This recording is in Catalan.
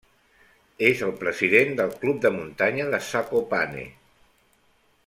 És el president del Club de muntanya de Zakopane.